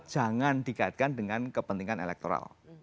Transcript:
jangan dikaitkan dengan kepentingan elektoral